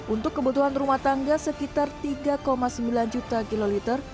untuk kebutuhan rumah tangga sekitar tiga sembilan juta kiloliter